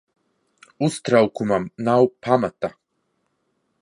Uztraukumam nav pamata.